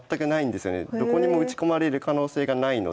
どこにも打ち込まれる可能性がないので。